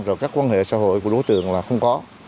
rồi các quan hệ xã hội của đối tượng là không có